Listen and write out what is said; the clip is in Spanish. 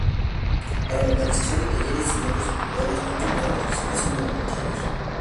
Para la organización de talleres y otras actividades cuentan con la participación de voluntarios.